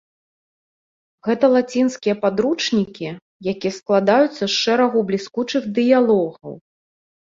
Гэта лацінскія падручнікі, якія складаюцца з шэрагу бліскучых дыялогаў.